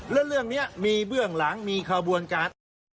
แล้วเรื่องนี้มีเบื้องหลังมีขบวนการอะไร